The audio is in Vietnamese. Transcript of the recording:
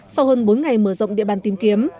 sau hơn bốn ngày mở rộng địa bàn tìm kiếm